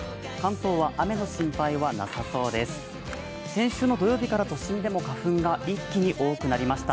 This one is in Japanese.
先週の土曜日から都心でも花粉が一気に増えてきまし。